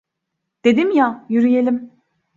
Dedim ya, yürüyelim.